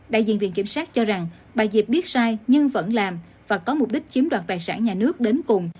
đại diện viện kiểm sát cho rằng bà diệp biết sai nhưng vẫn làm và có mục đích chiếm đoạt tài sản nhà nước đến cùng